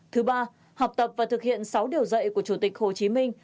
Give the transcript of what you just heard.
thứ ba học tập và thực hiện sáu điều dạy của chủ tịch hồ chí minh